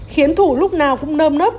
khiến thủ lúc nào cũng nơm nớp